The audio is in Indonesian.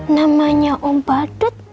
namanya om badut